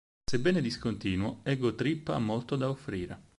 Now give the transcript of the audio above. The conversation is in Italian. Sebbene discontinuo, "Ego Trip" ha molto da offrire.